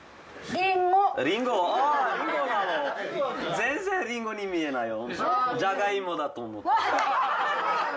全然リンゴに見えないよ。